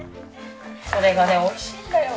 それがねおいしいんだよ。